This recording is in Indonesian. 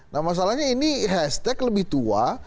nah masalahnya ini hashtag lebih tua